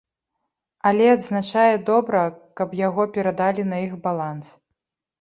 Але, адзначае, добра, каб яго перадалі на іх баланс.